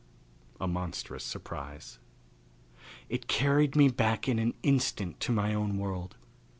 A Monstrous Surprise. It carried me back in an instant to my own world.